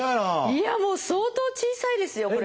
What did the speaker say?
いやもう相当小さいですよこれ。